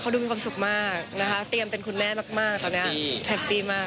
เขาดูมีความสุขมากนะคะเตรียมเป็นคุณแม่มากมากตอนนี้มาก